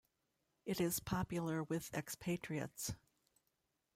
It is popular with expatriates.